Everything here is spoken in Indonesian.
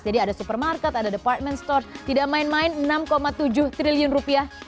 jadi ada supermarket ada department store tidak main main enam tujuh triliun rupiah